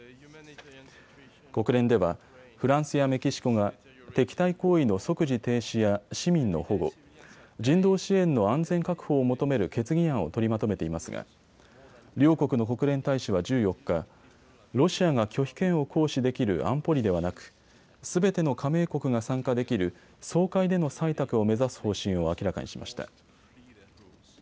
国連ではフランスやメキシコが敵対行為の即時停止や市民の保護、人道支援の安全確保を求める決議案を取りまとめていますが両国の国連大使は１４日、ロシアが拒否権を行使できる安保理ではなくすべての加盟国が参加できる総会での採択を目指す方針を明らかにしました。